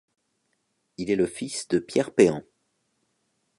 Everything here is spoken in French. Il est le fils de Pierre Péan.